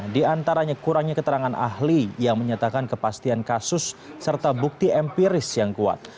di antaranya kurangnya keterangan ahli yang menyatakan kepastian kasus serta bukti empiris yang kuat